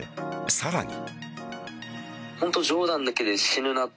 さらに。